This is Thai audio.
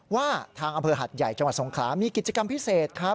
ว่าทางอำเภอหัดใหญ่จังหวัดสงขลามีกิจกรรมพิเศษครับ